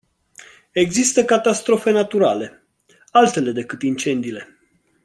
Există catastrofe naturale, altele decât incendiile.